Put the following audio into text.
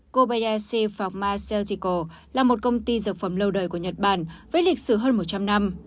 kobayashi fama seojiko là một công ty dược phẩm lâu đời của nhật bản với lịch sử hơn một trăm linh năm